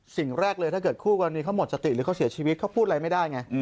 สิ่งแรกเลยถ้าเกิดคู่กรณีเขาหมดสติหรือเขาเสียชีวิตเขาพูดอะไรไม่ได้ไง